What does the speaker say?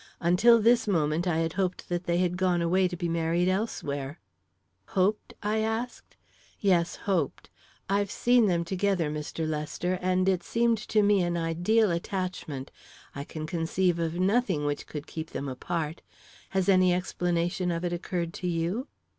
Until this moment, I had hoped that they had gone away to be married elsewhere." "Hoped?" I asked. "Yes, hoped. I've seen them together, Mr. Lester, and it seemed to me an ideal attachment. I can conceive of nothing which could keep them apart. Has any explanation of it occurred to you?"